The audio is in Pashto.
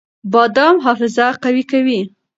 بادام حافظه قوي کوي.